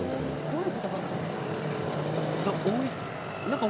どういうことがあったんですか？